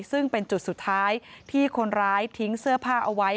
ซึ่งเป็นจุดสุดท้ายที่คนร้ายทิ้งเสื้อผ้าเอาไว้